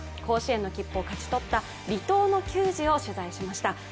甲子園の切符を勝ち取った離島の球児を取材しました。